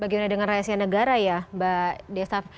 bagi orang yang dengan rahasia negara ya mbak desaf